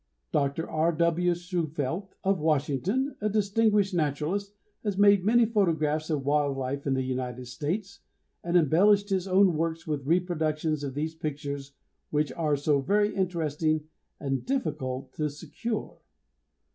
Dr. R. W. Shufeldt, of Washington, a distinguished naturalist, has made many photographs of wild life in the United States, and embellished his own works with reproductions of these pictures which are so very interesting and difficult to secure.